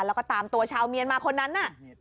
แล้วก็ตามตัวชาวเมียนมาคนนั้นน่ะ